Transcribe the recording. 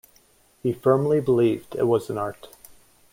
He firmly believed it was an art.